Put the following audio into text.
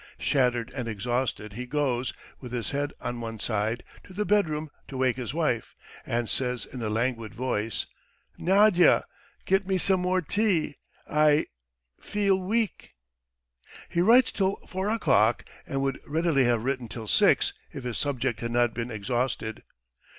Shattered and exhausted he goes, with his head on one side, to the bedroom to wake his wife, and says in a languid voice: "Nadya, get me some more tea! I ... feel weak." He writes till four o'clock and would readily have written till six if his subject had not been exhausted.